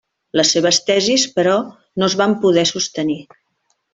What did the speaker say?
Les seves tesis, però, no es van poder sostenir.